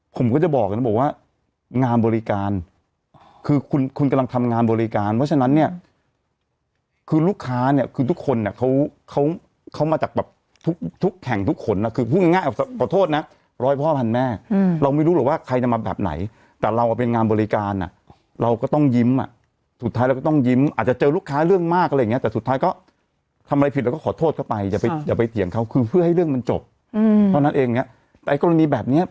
ผมก็จะบอกนะบอกว่างานบริการคือคุณคุณกำลังทำงานบริการว่าฉะนั้นเนี่ยคือลูกค้าเนี่ยคือทุกคนเนี่ยเขาเขาเข้ามาจากแบบทุกแข่งทุกคนนะคือพูดง่ายขอโทษนะร้อยพ่อพันแม่เราไม่รู้หรอกว่าใครจะมาแบบไหนแต่เราเอาเป็นงานบริการน่ะเราก็ต้องยิ้มอ่ะสุดท้ายเราก็ต้องยิ้มอาจจะเจอลูกค้าเรื่องมากอะไรอย่างเงี้ย